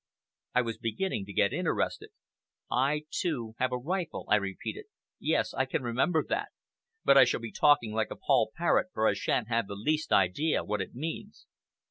I was beginning to get interested. "'I, too, have a rifle,'" I repeated. "Yes! I can remember that; but I shall be talking like a poll parrot for I shan't have the least idea what it means."